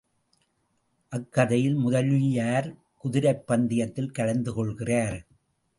அக்கதையில், முதலியார் குதிரைப் பந்தயத்தில் கலந்துகொள்கிறார்.